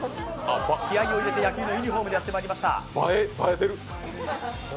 気合いを入れて野球のユニフォームでやってきました。